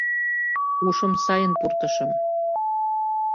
Ушым сайын пуртышым: